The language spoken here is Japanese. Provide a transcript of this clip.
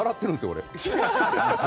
俺。